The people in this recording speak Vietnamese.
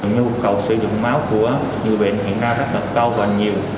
nhu cầu sử dụng máu của người bệnh hiện nay rất là cao và nhiều